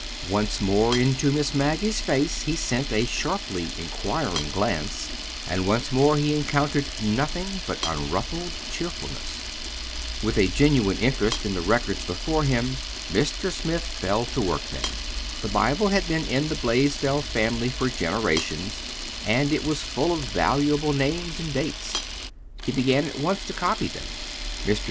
Once more into Miss Maggie's face he sent a sharply inquiring glance, and once more he encountered nothing but unruffled cheerfulness. With a really genuine interest in the records before him, Mr. Smith fell to work then. The Bible had been in the Blaisdell family for generations, and it was full of valuable names and dates. He began at once to copy them. Mr.